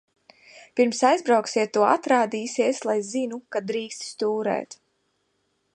Pirms aizbrauksiet, tu atrādīsies, lai zinu, ka drīksti stūrēt.